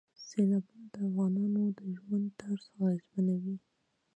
سیلابونه د افغانانو د ژوند طرز اغېزمنوي.